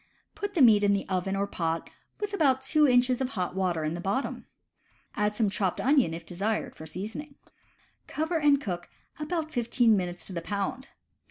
Put the meat in the oven or pot with about two inches of hot water in the bottom. Add some chopped onion, if desired, for seasoning. Cover and cook, about fifteen minutes to the pound.